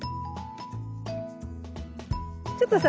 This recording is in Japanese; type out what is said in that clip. ちょっとさ